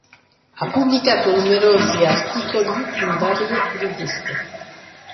Ha pubblicato numerosi articoli in varie riviste.